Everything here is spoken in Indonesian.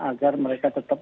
agar mereka tetap